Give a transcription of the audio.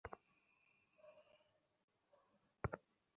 কয়েক দিনের মধ্যে এসব ঠিক হয়ে যাবে।